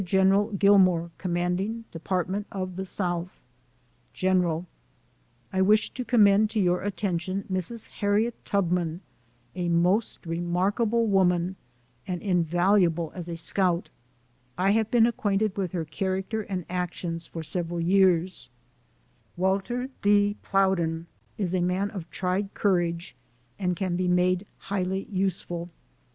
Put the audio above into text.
GEN. GILMAX, Commanding Department of the South GENERAL : I wish to commend to your atten tion, Mrs. Harriet Tubman, a most remarkable woman, and invaluable as a scout. I have been acquainted with her character and actions for several years. 66 SOME SCENES IN THE Walter D. Plowden is a man of tried courage, and can be made highly useful.